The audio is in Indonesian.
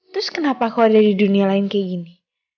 terus kenapa aku ada di dunia lain kayak gini